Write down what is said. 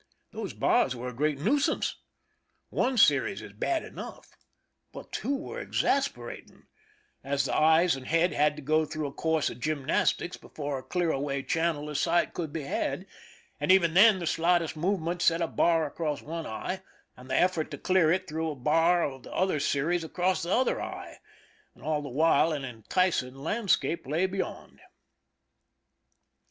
Those bars were a great nuisance. One series is bad enough, but two were exasperat 230 ^'fl^SSlt^fc PRISON LIFE THE SIEGE ing, as the eyes and head had to go through a course of gymnastics before a clear away channel of sight could be had, and even then the slightest movement set a bar across one eye, and the effort to clear it threw a bar of the other series across the other eye; and all the while an enticing landscape lay beyond.